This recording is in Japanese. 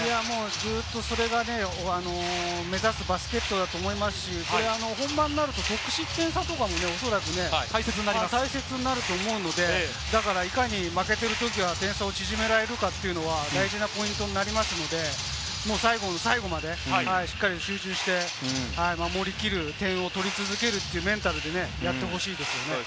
ずっとそれが目指すバスケットだと思いますし、本番になると得失点差とかも、おそらく大切になると思うので、いかに負けてるときは点差を縮められるかっていうのは大事なポイントになりますので、最後の最後までしっかり集中して守りきる、点を取り続けるというメンタルでね、やってほしいですよね。